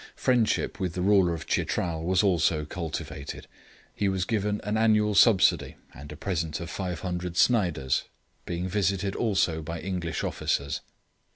Friendship with the ruler of Chitral was also cultivated. He was given an annual subsidy, and a present of 500 Sniders; being visited also by English officers.